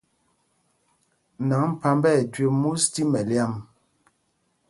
Nǎŋgphǎmb ɛ jüé mūs tí mɛlyǎm.